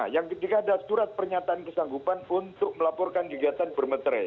yang ketiga ada surat pernyataan kesanggupan untuk melaporkan kegiatan bermeterai